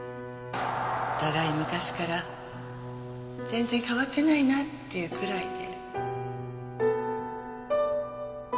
お互い昔から全然変わってないなっていうくらいで。